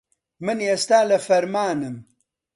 من ئێستا لە فەرمانم.